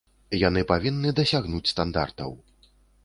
Яны павінны дасягнуць стандартаў.